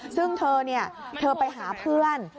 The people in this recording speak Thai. ซึ่งเธอเธอไปหาเพื่อน